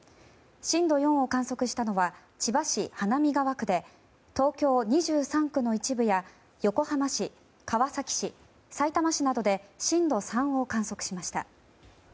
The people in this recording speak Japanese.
震度４を観測したのは千葉県花見川区で東京２３区の一部や横浜市、川崎市さいたま市などで震度３を観測しました。